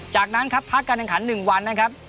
จากนั้นพักกะดังขัน๑วันนะครับ